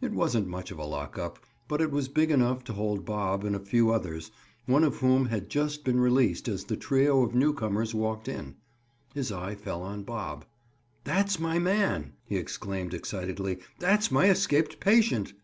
It wasn't much of a lock up, but it was big enough to hold Bob and a few others, one of whom had just been released as the trio of new comers walked in. His eye fell on Bob. "That's my man," he exclaimed excitedly. "That's my escaped patient."